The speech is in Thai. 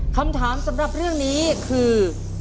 คำถามสำหรับเรื่องนี้คือ